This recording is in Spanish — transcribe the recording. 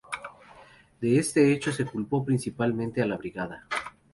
De este hecho se culpó principalmente a la brigada.